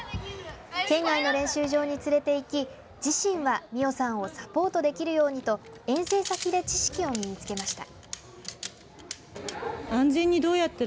県外の練習場に連れていき自身は、美青さんをサポートできるようにと遠征先で知識を身につけました。